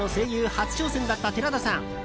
初挑戦だった寺田さん。